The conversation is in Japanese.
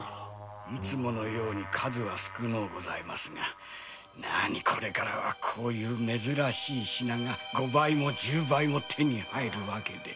いつものように数は少ないのでございますがこれからはこういう珍しい品が５倍も１０倍も手に入る訳で。